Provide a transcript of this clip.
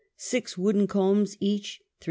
Six wooden combs, each 3 s.